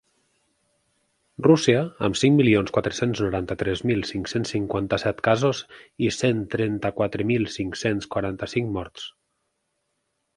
Rússia, amb cinc milions quatre-cents noranta-tres mil cinc-cents cinquanta-set casos i cent trenta-quatre mil cinc-cents quaranta-cinc morts.